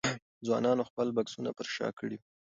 ځوانانو خپل بکسونه پر شا کړي وو.